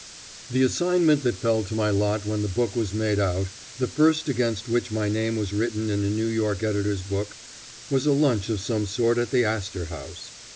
The assignment that fell to my lot when the book was made out, the first against which my name was written in a New York editor's book, was a lunch of some sort at the Astor House.